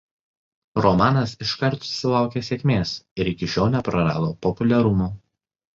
Romanas iškart susilaukė sėkmės ir iki šiol neprarado populiarumo.